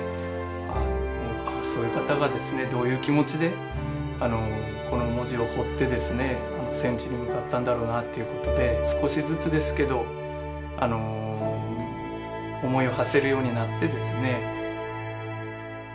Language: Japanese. ああそういう方がですねどういう気持ちでこの文字を彫って戦地に向かったんだろうなということで少しずつですけど思いをはせるようになってですね。